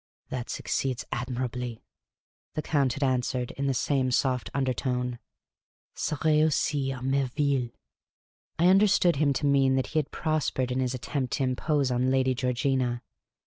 " That succeeds admirably," the Count had answered, in the same soft undertone. " p? reussit h nicrvcillc.'" I understood him to mean that he had prospered in his attempt to impose on Lady Georgina.